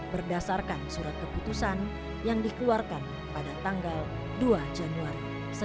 berdasarkan surat keputusan yang dikeluarkan pada tanggal dua januari seribu sembilan ratus empat puluh